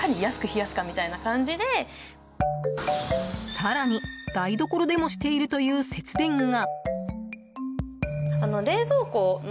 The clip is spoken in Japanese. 更に台所でもしているという節電が。